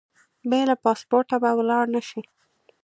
بې له پاسپورټه به ولاړ نه شې.